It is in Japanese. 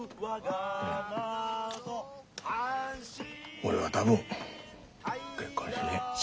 俺は多分結婚しねえ。